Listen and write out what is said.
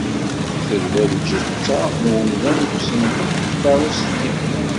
Tella lǧetta n wemdan deg usenduq n tkeṛṛust-nni.